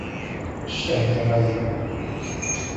Ccah di ṛṛay-im!